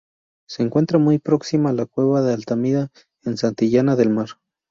Se encuentra muy próxima a la cueva de Altamira en Santillana del Mar.